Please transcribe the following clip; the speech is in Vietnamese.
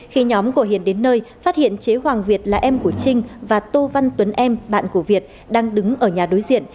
khi nhóm của hiền đến nơi phát hiện chế hoàng việt là em của trinh và tô văn tuấn em bạn của việt đang đứng ở nhà đối diện